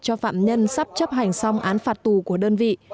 cho phạm nhân sắp chấp hành xong án phạt tù của đơn vị